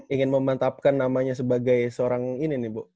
ingin memantapkan namanya sebagai seorang ini nih bu